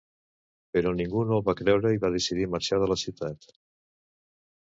Però ningú no el va creure i va decidir marxar de la ciutat.